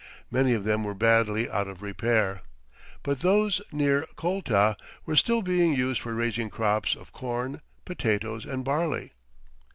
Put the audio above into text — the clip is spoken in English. Many of them were badly out of repair, but those near Colta were still being used for raising crops of corn, potatoes, and barley.